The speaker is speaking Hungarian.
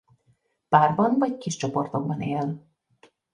Párban vagy kis csoportokban él.